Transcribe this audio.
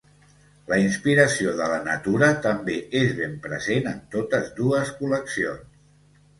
La inspiració de la natura també és ben present en totes dues col·leccions.